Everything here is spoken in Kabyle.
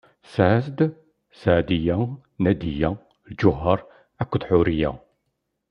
Tesɛa-as-d: Seɛdiya, Nadiya, Lǧuheṛ akked Ḥuriya.